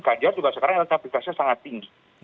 ganjar juga sekarang elitnya pikasnya sangat tinggi